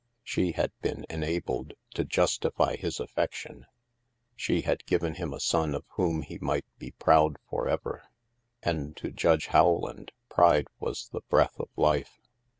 She had been enabled to justify his affection. She had given him a son of whom he might be proud for ever. And to Judge Howland, pride was the breath of life.